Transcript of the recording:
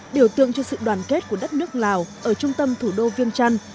điều tượng cho sự đoàn kết của đất nước lào ở trung tâm thủ đô viên trăn